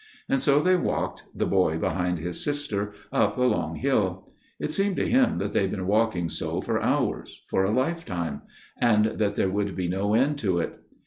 And so they walked, the boy behind his sister, up a long hill. It seemed to him that they had been walking so for hours, for a lifetime ; and that there would be no end to it.